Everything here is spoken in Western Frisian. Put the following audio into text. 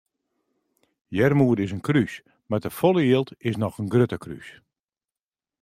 Earmoede is in krús mar te folle jild is in noch grutter krús.